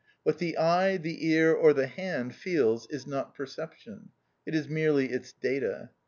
What the eye, the ear, or the hand feels, is not perception; it is merely its data.